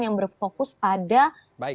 yang berfokus pada kesehatan